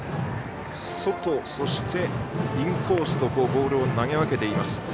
外、そしてインコースとボールを投げ分けています。